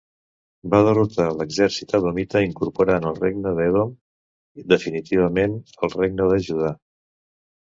Va derrotar l'exèrcit edomita incorporant el regne d'Edom definitivament al regne de Judà.